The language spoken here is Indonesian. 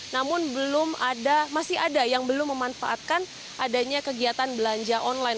namun masih ada yang belum memanfaatkan adanya kegiatan belanja online